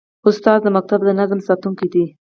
استاد د ښوونځي د نظم ساتونکی دی.